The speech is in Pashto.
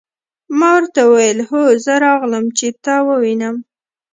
ما ورته وویل: هو زه راغلم، چې ته ووینم.